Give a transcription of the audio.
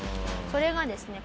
それがですね